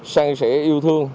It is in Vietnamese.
sang sẻ yêu thương